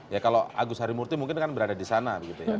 ya kalau agus harimurti mungkin kan berada di sana